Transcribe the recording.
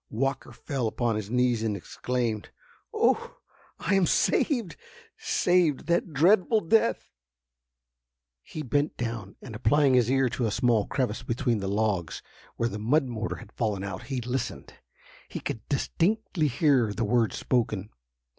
Walker fell upon his knees and exclaimed: "Oh! I am saved—saved that dreadful death!" He bent down, and applying his ear to a small crevice between the logs, where the mud mortar had fallen out, he listened. He could distinctly hear the words spoken.